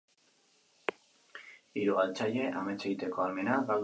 Hiru galtzaile, amets egiteko ahalmena galdu gabe.